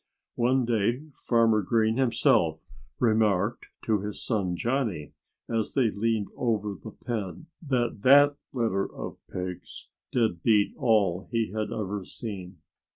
One day Farmer Green himself remarked to his son Johnnie, as they leaned over the pen, that that litter of pigs did beat all he had ever seen.